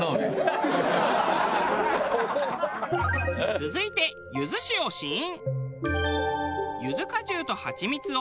続いてゆず酒を試飲。